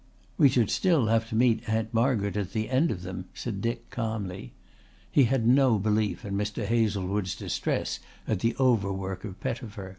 "We should still have to meet Aunt Margaret at the end of them," said Dick calmly. He had no belief in Mr. Hazlewood's distress at the overwork of Pettifer.